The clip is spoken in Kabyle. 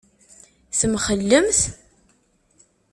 Temxellemt?